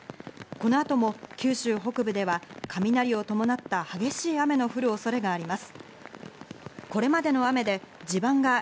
この後も九州北部では雷を伴った激しい雨の降る恐れがお天気です。